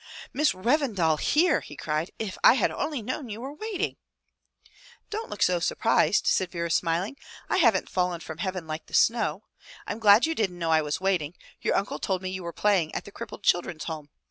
"Miss Revendal here!" he cried. "If I had only known you were waiting.*' "Don't look so surprised," said Vera, smiling. "I haven't fallen from heaven like the snow. I'm glad you didn't know I was waiting. Your uncle told me you were playing at the Crippled Children's Home.